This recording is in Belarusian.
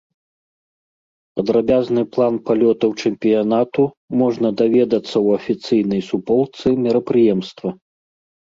Падрабязны план палётаў чэмпіянату можна даведацца ў афіцыйнай суполцы мерапрыемства.